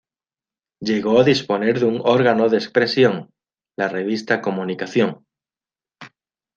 Llegó a disponer de un órgano de expresión, la revista "Comunicación".